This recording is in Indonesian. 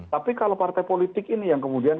tapi kalau partai politik ini yang kemudian